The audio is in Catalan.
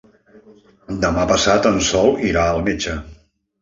Demà passat en Sol irà al metge.